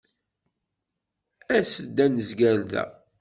As-d ad nezger da.